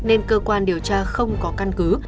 nên cơ quan điều tra không có căn cứ